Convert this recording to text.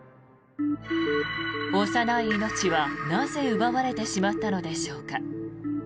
幼い命はなぜ奪われてしまったのでしょうか。